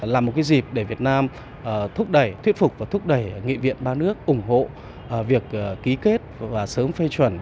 là một dịp để việt nam thúc đẩy thuyết phục và thúc đẩy nghị viện ba nước ủng hộ việc ký kết và sớm phê chuẩn